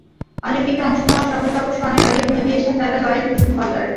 অলিম্পিকে অংশ নেওয়ার স্বপ্নটা অবশ্য অনেক আগেই বুনে দিয়েছেন দাদা লয়েড ভলবার্গ।